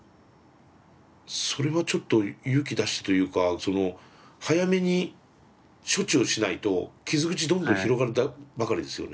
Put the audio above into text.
それはちょっと勇気出してというか早めに処置をしないと傷口どんどん広がるばかりですよね。